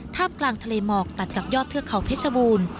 กลางทะเลหมอกตัดกับยอดเทือกเขาเพชรบูรณ์